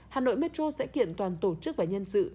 hà nội metro sẽ kiện toàn tổ chức và nhân sự